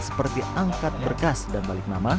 seperti angkat berkas dan balik nama